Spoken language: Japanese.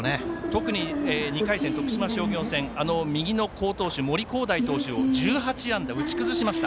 特に２回戦、徳島商業戦右の好投手森煌誠選手を打ち崩しました。